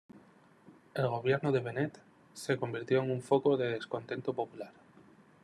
El gobierno de Bennett se convirtió en un foco de descontento popular.